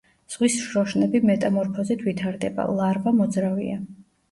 ზღვის შროშნები მეტამორფოზით ვითარდება, ლარვა მოძრავია.